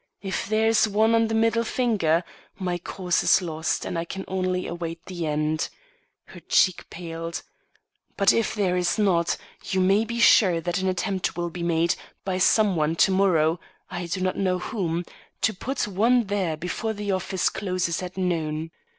If there is one on the middle finger, my cause is lost, and I can only await the end." Her cheek paled. "But if there is not, you may be sure that an attempt will be made by some one to morrow I do not know whom to put one there before the office closes at noon.